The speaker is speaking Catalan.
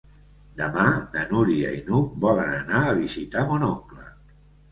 Demà na Núria i n'Hug volen anar a visitar mon oncle.